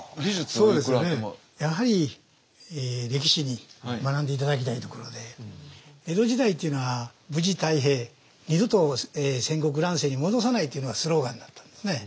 やはり歴史に学んで頂きたいところで江戸時代というのは無事太平「二度と戦国乱世に戻さない」というのがスローガンだったんですね。